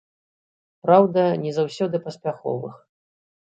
Праўда, не заўсёды паспяховых.